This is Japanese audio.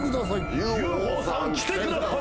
ＵＦＯさん来てください。